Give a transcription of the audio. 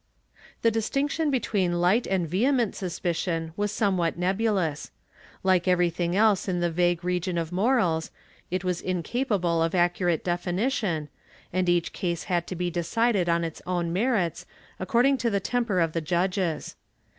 ^ The distinction between light and vehement suspicion was some what nebulous. Like everything else in the vague region of morals, it was incapable of accurate definition, and each case had to be decided on its own merits, according to the temper of the judges.